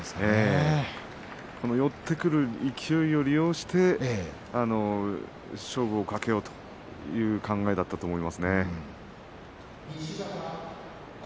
寄ってくる勢いを利用して勝負をかけようという考えだったと思いますね。